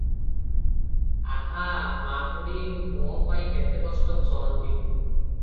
ଆହା ମାବୁଢ଼ୀ ମୋପାଇଁ କେତେ କଷ୍ଟ ସହନ୍ତି!"